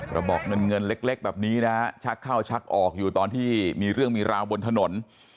ระบอกเงินเงินเล็กแบบนี้นะฮะชักเข้าชักออกอยู่ตอนที่มีเรื่องมีราวบนถนน